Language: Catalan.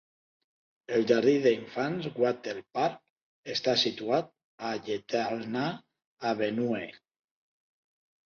El jardí d'infants Wattle Park està situat a Yeltana Avenue.